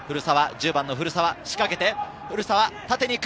１０番の古澤、仕掛けて縦に行く。